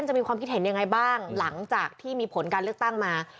จะมีความคิดเห็นยังไงบ้างหลังจากที่มีผลการเลือกตั้งมา